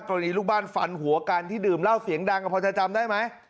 กรณีลูกบ้านฝันหัวการที่ดื่มเล่าเสียงดังกับพ่อชาจำได้ไหม